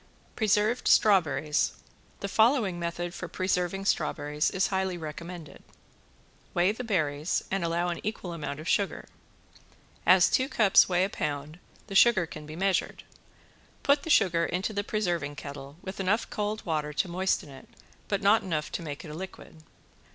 ~PRESERVED STRAWBERRIES~ The following method for preserving strawberries is highly recommended. Weigh the berries and allow an equal amount of sugar. As two cups weigh a pound, the sugar can be measured. Put the sugar into the preserving kettle with enough cold water to moisten it, but not enough to make it a liquid.